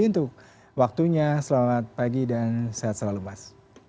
untuk waktunya selamat pagi dan sehat selalu mas